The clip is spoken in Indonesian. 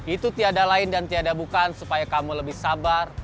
itu tiada lain dan tiada bukaan supaya kamu lebih sabar